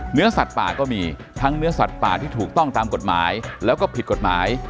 เนื้อสัตว์ป่าก็มีทั้งเนื้อสัตว์ป่าที่ถูกต้องตามกฎหมายแล้วก็ผิดกฎหมาย